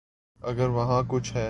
اگر وہاں کچھ ہے۔